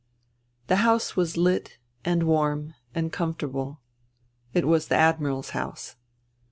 ... The house was lit and warm and comfortable. It was the Admiral's liouse.